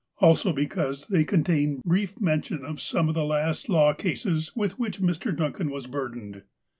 Also, because they con tain brief mention of some of the last law cases with which Mr. Duncan was burdened.